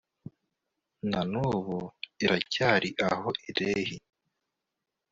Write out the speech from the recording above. na n'ubu iracyari aho i lehi